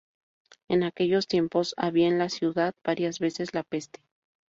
En aquellos tiempos había en la ciudad varias veces la peste.